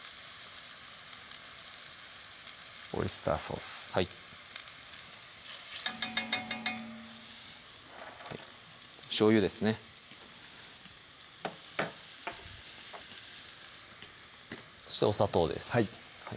オイスターソースはいしょうゆですねお砂糖ですはい